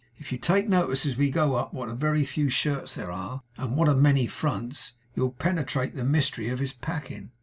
If you take notice as we go up, what a very few shirts there are, and what a many fronts, you'll penetrate the mystery of his packing.